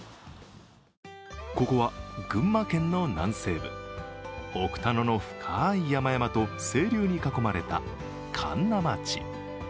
ここは群馬県の南西部、奥多野の深い山々と清流に囲まれた神流町。